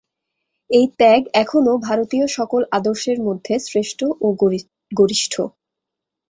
এই ত্যাগ এখনও ভারতীয় সকল আদর্শের মধ্যে শ্রেষ্ঠ ও গরিষ্ঠ।